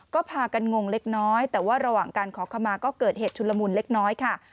ก็พากันงงเล็กน้อยแต่ว่าระหว่างการขอขมาก็เกิดเหตุชุนละมุนเล็กน้อยค่ะ